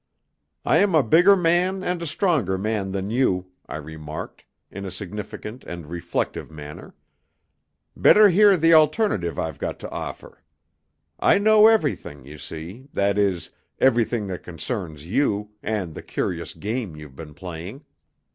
"I am a bigger man and a stronger man than you," I remarked, in a significant and reflective manner. "Better hear the alternative I've got to offer. I know everything, you see that is, everything that concerns you, and the curious game you've been playing.